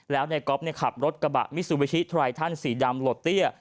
แล้วนายก๊อฟขับรถกระบะมิซูบิชิไทรทันสีดำโหลดเตี้ย